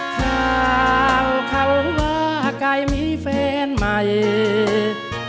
เท่าเขาว่าใครมีเฟรนใหม่